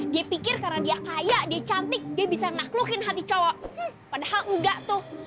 dia pikir karena dia kaya dia cantik dia bisa naklukin hati cowok padahal enggak tuh